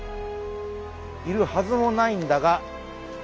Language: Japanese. いるはずもないんだが。